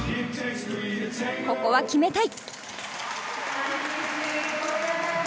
ここは決めたい。